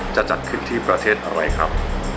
จะจัดขึ้นที่ประเทศอะไรครับ